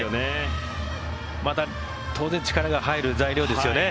また、当然力が入る材料ですよね。